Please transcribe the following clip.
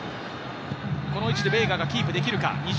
この位置でベイガがキープできるか？